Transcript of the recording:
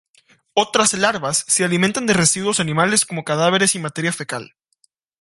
Otras larvas se alimentan de residuos animales como cadáveres y materia fecal.